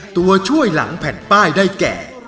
ตัวช่วยหลังแผ่นป้ายได้แก่